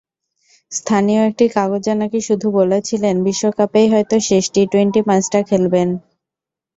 স্থানীয় একটি কাগজে নাকি শুধু বলেছিলেন, বিশ্বকাপেই হয়তো শেষ টি-টোয়েন্টি ম্যাচটা খেলবেন।